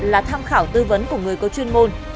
là tham khảo tư vấn của người có chuyên môn